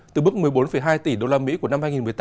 từ bước một mươi bốn hai tỷ usd của năm hai nghìn một mươi tám